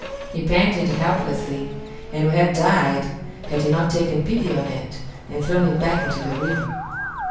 It panted helplessly, and would have died had he not taken pity on it and thrown it back into the river.